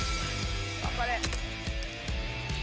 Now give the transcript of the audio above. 頑張れ。